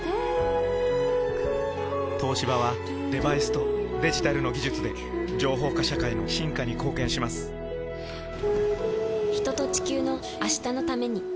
東芝はデバイスとデジタルの技術で情報化社会の進化に貢献します人と、地球の、明日のために。